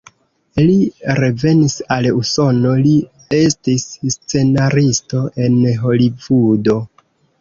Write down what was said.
Li revenis al Usono, li estis scenaristo en Holivudo.